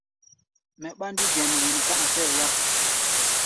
Mɛ ɓándí gɛn wen ká a tɛɛ́ yak.